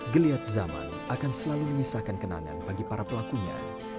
geliat zaman akan selalu menyisakan kenangan bagi para pelakunya